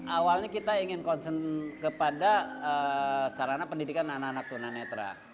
awalnya kita ingin konsen kepada sarana pendidikan anak anak tunanetra